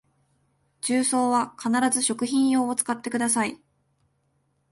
重曹は必ず食品用を使ってください